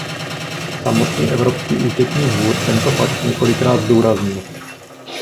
Samotný Evropský účetní dvůr tento fakt několikrát zdůraznil.